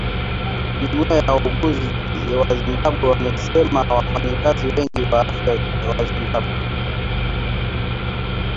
Jumuiya ya wauguzi wa Zimbabwe wamesema wafanyakazi wengi wa afya wa Zimbabwe